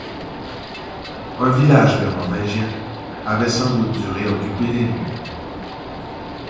Un village mérovingien avait sans doute dû réoccuper les lieux.